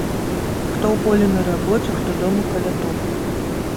Хто ў полі на рабоце, хто дома каля току.